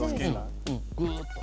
ぐっと。